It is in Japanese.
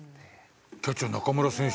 キャッチャー中村選手？